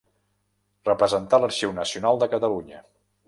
Representar l'Arxiu Nacional de Catalunya.